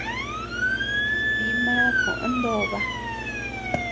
Dimá koʼö Nóba.